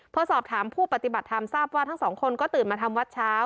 พอสอบถามผู้ปฏิบัติธรรมทราบว่าทั้งสองคนก็ตื่นมาทำวัดเช้า